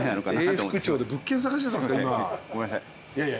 ごめんなさい。